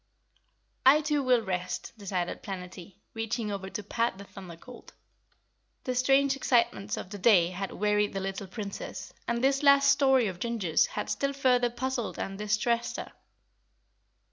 "I too will ret," decided Planetty, reaching over to pat the Thunder Colt. The strange excitements of the day had wearied the little Princess, and this last story of Ginger's had still further puzzled and distressed her.